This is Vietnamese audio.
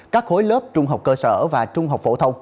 các khối lớp trung học cơ sở và trung học phổ thông